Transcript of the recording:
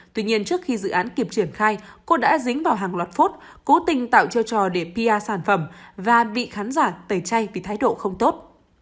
tuy nhiên trước khi dự án kịp triển khai cô đã dính vào hàng loạt phút cố tình tạo treo trò để pia sản phẩm và bị khán giả tẩy chay vì thái độ không tốt